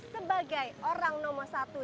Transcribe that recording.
sebagai orang nomor satu